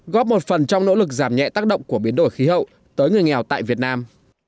góp một phần trong nỗ lực giảm nhẹ tác động của biến đổi khí hậu tới người nghèo tại việt nam